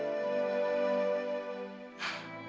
saat mana tadi